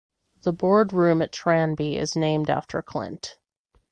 The boardroom at Tranby is named after Clint.